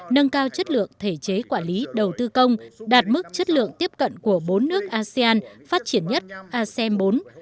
nâng cao chất lượng thể chế quản lý đầu tư công đạt mức chất lượng tiếp cận của bốn nước asean phát triển nhất asean bốn